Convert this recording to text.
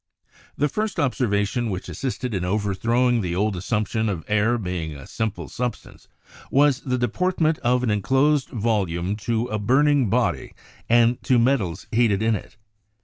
The first observation which assisted in overthrowing the old assumption of air being a simple substance, was the deportment of an enclosed volume to a burning body and to metals heated in it.